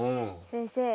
先生。